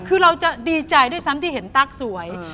คือเราจะดีใจด้วยซ้ำที่เห็นตั๊กสวย